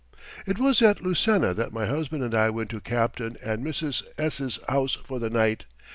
" It was at Lucena that my husband and I went to Captain and Mrs. S.'s house for the night.